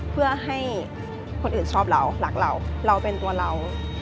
เพื่อให้คนอื่นชอบเรารักเราเราเป็นตัวเรา